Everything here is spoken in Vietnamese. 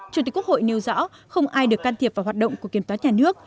chủ tịch quốc hội nêu rõ không ai được can thiệp vào hoạt động của kiểm toán nhà nước